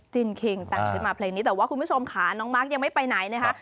คิงแต่งชุดมาเพลงนี้แต่ว่าคุณผู้ชมค่ะน้องมาร์คยังไม่ไปไหนนะคะ